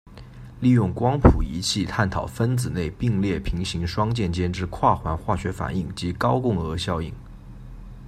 利用光谱仪器探讨分子内并列平行双键间之跨环化学反应及高共轭效应。